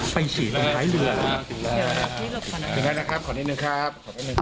ไปฉีดตรงท้ายเรือครับขอเท่านั้นนะครับขอเท่านั้นหนึ่งครับ